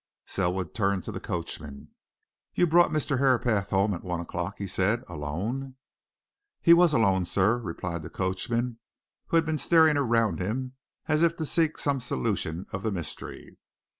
Selwood turned to the coachman. "You brought Mr. Herapath home at one o'clock?" he said. "Alone?" "He was alone, sir," replied the coachman, who had been staring around him as if to seek some solution of the mystery.